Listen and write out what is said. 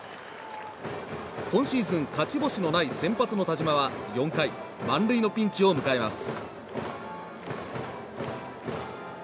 今シーズン勝ち星のない先発の田島は４回、満塁のピンチを迎えます。